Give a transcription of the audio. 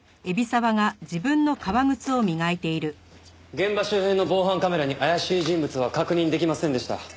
現場周辺の防犯カメラに怪しい人物は確認できませんでした。